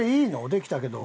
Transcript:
できたけど。